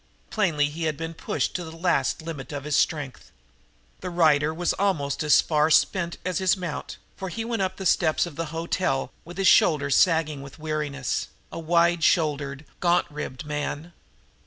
Plainly he had been pushed to the last limit of his strength. The rider was almost as far spent as his mount, for he went up the steps of the hotel with his shoulders sagging with weariness, a wide shouldered, gaunt ribbed man.